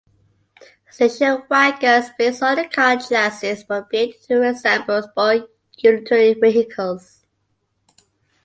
Station wagons based on a car chassis, but built to resemble sport utility vehicles.